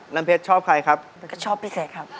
น้ำเพชรชอบใครครับเพชรก็ชอบพี่เสกครับ